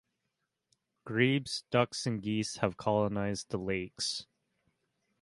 Grebes, ducks and geese have colonised the lakes.